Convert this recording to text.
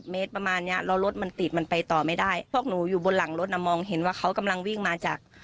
เมตรประมาณเนี้ยแล้วรถมันติดมันไปต่อไม่ได้พวกหนูอยู่บนหลังรถน่ะมองเห็นว่าเขากำลังวิ่งมาจาก